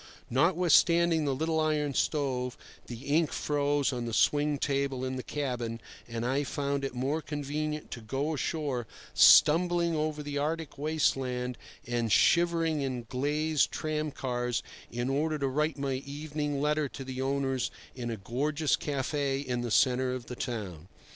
Notwithstanding the little iron stove, the ink froze on the swing table in the cabin, and I found it more convenient to go ashore stumbling over the arctic waste land and shivering in glazed tramcars in order to write my evening letter to my owners in a gorgeous café in the centre of the town.